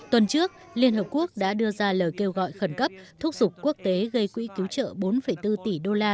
tuần trước liên hợp quốc đã đưa ra lời kêu gọi khẩn cấp thúc giục quốc tế gây quỹ cứu trợ bốn bốn tỷ đô la